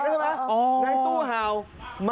ขอโทษครับ